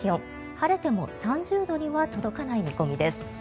晴れても３０度には届かない見込みです。